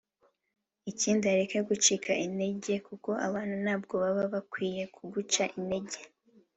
ikindi areke gucika intege kuko abantu ntabwo baba bakwiye kuguca intege